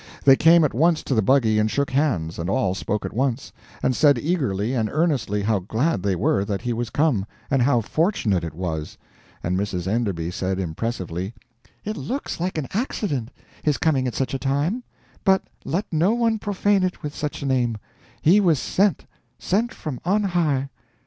They came at once to the buggy and shook hands, and all spoke at once, and said eagerly and earnestly, how glad they were that he was come, and how fortunate it was. And Mrs. Enderby said, impressively: "It looks like an accident, his coming at such a time; but let no one profane it with such a name; he was sent sent from on high."